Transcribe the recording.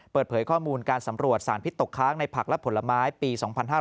เปิดเผยข้อมูลการสำรวจสารพิษตกค้างในผักและผลไม้ปี๒๕๕๙